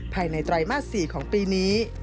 ภายในตรายมาส๔ของปีนี้